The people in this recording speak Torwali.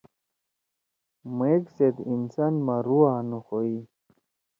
مئک سیت انسان ما رُوحا نُخوئی۔